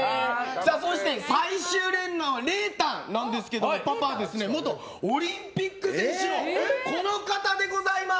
そして、最終レーンのれーたんなんですけどパパは、元オリンピック選手のこの方でございます！